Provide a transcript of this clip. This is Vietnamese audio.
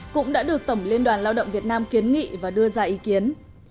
cũng đã được tổng liên đoàn lao động việt nam kiến nghị và đưa ra ý kiến